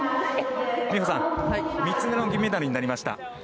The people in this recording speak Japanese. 美帆さん３つ目の銀メダルとなりました。